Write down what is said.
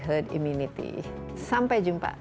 herd immunity sampai jumpa